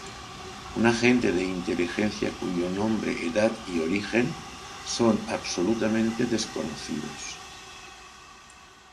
Un agente de inteligencia, cuyo nombre, edad y origen son absolutamente desconocidos.